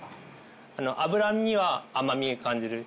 脂身には甘みを感じる。